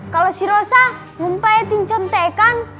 kalau si rosa mumpaitin contekan